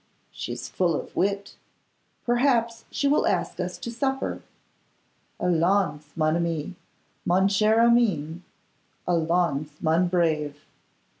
She is full of wit; perhaps she will ask us to supper. Allons, mon ami, mon cher Armine; _allons, mon brave!